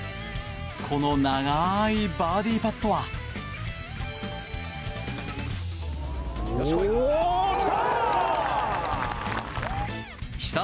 この長いバーディーパットは。来た！